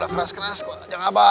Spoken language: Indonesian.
udah keras keras kok ajak abah